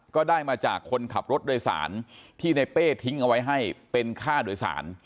ก็ได้มาจากคนขับรถโดยสารที่ในเป้ทิ้งเอาไว้ให้เป็นค่าโดยสาร